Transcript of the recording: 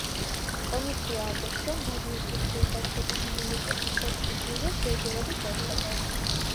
კომისია ამბობს, რომ რადიოსიხშირის არსებული ლიმიტების შეცვლის მიზეზს ჯერჯერობით ვერ ხედავს.